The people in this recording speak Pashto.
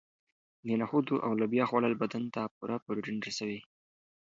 د نخودو او لوبیا خوړل بدن ته پوره پروټین رسوي.